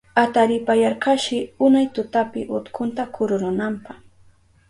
Ataripayarkashi unay tutapi utkunta kururunanpa.